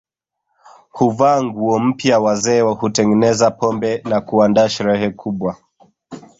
Huvaa nguo mpya wazee hutengeneza pombe na kuandaa sherehe kubwa